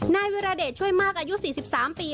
นายวิรเดชช่วยมากอายุ๔๓ปี